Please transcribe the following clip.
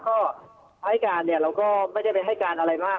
ก็ให้การเนี่ยเราก็ไม่ได้ไปให้การอะไรมาก